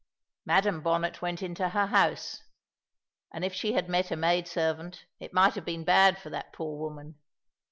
Madam Bonnet went into her house, and if she had met a maid servant, it might have been bad for that poor woman.